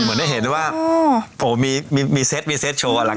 เหมือนได้เห็นว่าโอ้มีเซตมีเซตโชว์อ่ะล่ะค่ะ